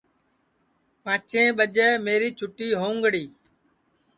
پانٚچیں ٻجے میری چھُتی ہوؤنگڑی